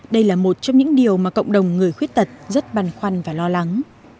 đây là một trong những điều mà cộng đồng người khuyết tật rất băn khoăn và lo lắng